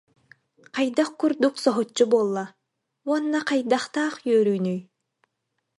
Хайдах курдук соһуччу буолла уонна хайдахтаах үөрүүнүй